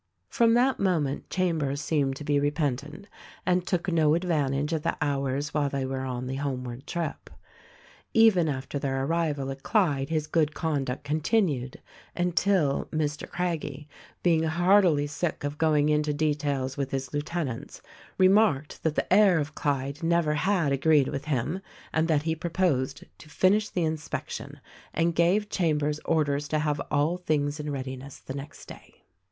From that moment Chambers seemed to be repentant, and took no advantage of the hours while they were on the home ward trip. Even after their arrival at Clyde his good con duct continued, until, Mr. Craggie — being heartily sick of going into details with his lieutenants — remarked that the air of Clyde never had agreed with him and that he proposed to finish the inspection, and gave Chambers orders to have all things in readiness the next day.